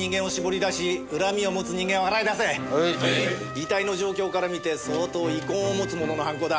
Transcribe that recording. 遺体の状況から見て相当遺恨を持つ者の犯行だ。